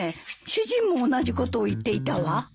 主人も同じことを言っていたわ。